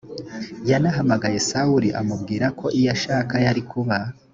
yanahamagaye sawuli amubwira ko iyo ashaka yari kuba